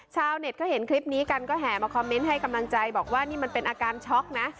ชาวเน็ตเขาเห็นคลิปนี้กันก็แห่มาคอมเมนต์ให้กำลังใจบอกว่านี่มันเป็นอาการช็อกนะ